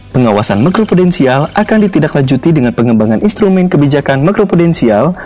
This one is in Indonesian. pengawasan makropudensial akan ditidaklanjuti dengan pengembangan instrumen kebijakan makropudensial